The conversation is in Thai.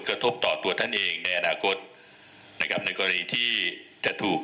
กระทบต่อตัวท่านเองในอนาคตนะครับในกรณีที่จะถูก